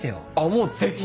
もうぜひ。